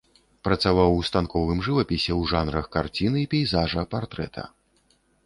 Працаваў ў станковым жывапісе ў жанрах карціны, пейзажа, партрэта.